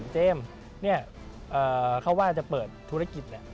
เจมส์เนี่ยเขาว่าจะเปิดธุรกิจเนี่ย